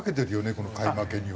この買い負けには。